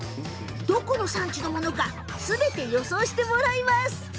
どこの産地のものかすべて予想してもらいます！